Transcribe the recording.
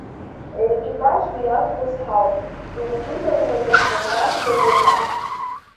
Аекипажгьы иақәтәаз ҳауп, телевизорлагьы ҳбымбацкәа быҟам!